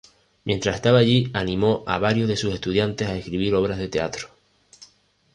Mientras estaba allí, animó a varios de sus estudiantes a escribir obras de teatro.